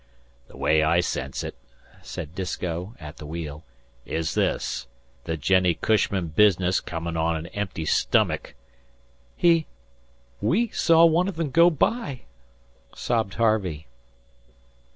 "The way I sense it," said Disko, at the wheel, "is this: The Jennie Cushman business comin' on an empty stummick " "H he saw one of them go by," sobbed Harvey.